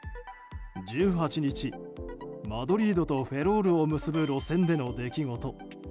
１８日マドリードとフェロールを結ぶ路線での出来事。